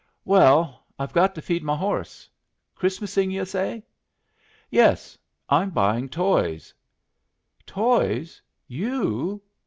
"Well, I've got to feed my horse. Christmasing, yu' say?" "Yes; I'm buying toys." "Toys! You?